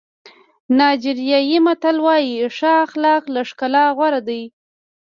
نایجیریایي متل وایي ښه اخلاق له ښکلا غوره دي.